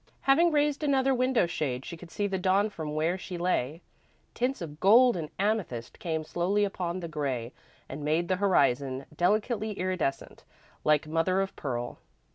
Having raised another window shade, she could see the dawn from where she lay. Tints of gold and amethyst came slowly upon the grey and made the horizon delicately iridescent, like mother of pearl.